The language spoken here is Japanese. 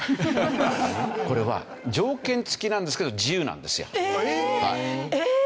これは条件付きなんですけど自由なんですよ。えっ？